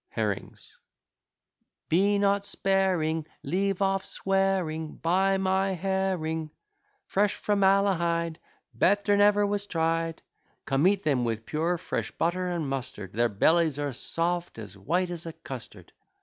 HERRINGS Be not sparing, Leave off swearing. Buy my herring Fresh from Malahide, Better never was tried. Come, eat them with pure fresh butter and mustard, Their bellies are soft, and as white as a custard.